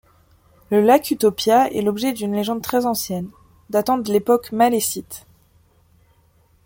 Le lac Utopia est l'objet d'une légende très ancienne, datant de l'époque malécite.